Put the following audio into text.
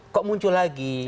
kok muncul lagi